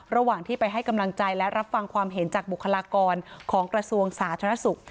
ระหว่างที่ไปให้กำลังใจและรับฟังความเห็นจากบุคลากรของกระทรวงสาธารณสุข